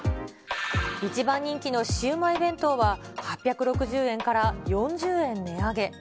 一番人気のシウマイ弁当は、８６０円から４０円値上げ。